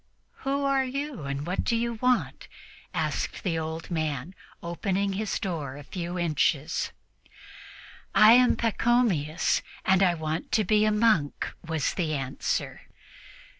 "Who are you, and what do you want?" asked the old man, opening his door a few inches. "I am called Pachomius, and I want to be a monk," was the answer.